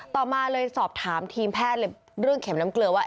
ต่อมาเลยสอบถามทีมแพทย์เรื่องเข็มน้ำเกลือว่า